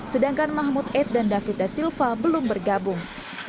sedangkan mahmud eid dan david da silva belum bergabung